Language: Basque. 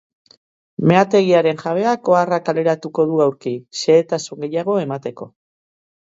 Meategiaren jabeak oharra kaleratuko du aurki, xehetasun gehiago emateko.